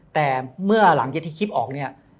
แต่เมื่อหลังจากที่คลิปออกเนี่ย